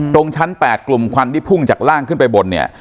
ตรงชั้น๘กลุ่มควันที่พุ่งจากล่างขึ้นไปบนเนี่ย